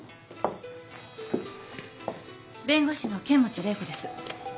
弁護士の剣持麗子です。